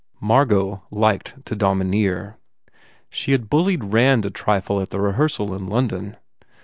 Margot liked to domineer. She had bullied Rand a trifle at the rehearsal in London.